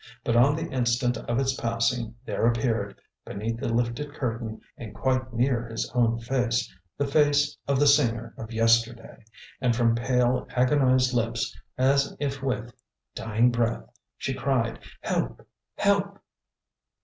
But on the instant of its passing there appeared, beneath the lifted curtain and quite near his own face, the face of the singer of yesterday; and from pale, agonized lips, as if with, dying breath, she cried, "Help, help!"